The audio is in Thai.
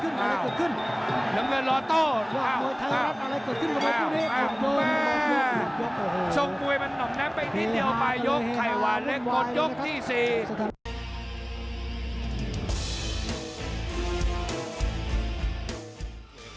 น้ำเงินรอโต